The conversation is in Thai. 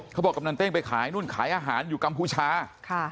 เขาบอกกำนันเต้งไปขายนู่นขายอาหารอยู่กัมพูชา